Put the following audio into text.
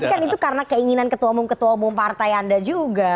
tapi kan itu karena keinginan ketua umum ketua umum partai anda juga